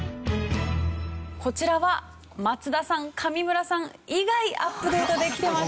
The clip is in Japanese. こちらは松田さん上村さん以外アップデートできてました。